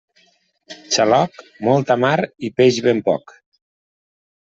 Xaloc, molta mar i peix ben poc.